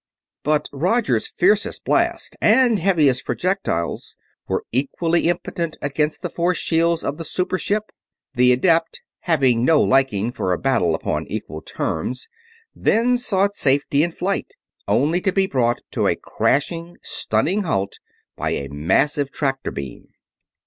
But Roger's fiercest blasts and heaviest projectiles were equally impotent against the force shields of the super ship. The adept, having no liking for a battle upon equal terms, then sought safety in flight, only to be brought to a crashing, stunning halt by a massive tractor beam.